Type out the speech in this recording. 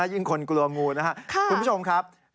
ยิ่งคนกลัวงูนะครับคุณผู้ชมครับ